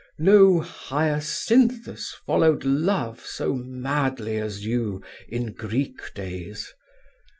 No Hyacinthus followed Love so madly as you in Greek days.